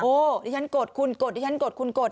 โอ้โหดิฉันกดคุณกดดิฉันกดคุณกด